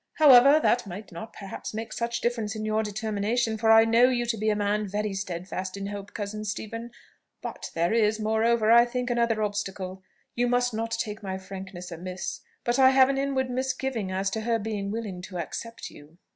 However, that might not perhaps make such difference in your determination, for I know you to be a man very steadfast in hope, cousin Stephen. But there is, moreover, I think, another obstacle. You must not take my frankness amiss; but I have an inward misgiving as to her being willing to accept you."